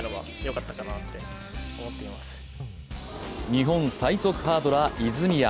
日本最速ハードラー・泉谷。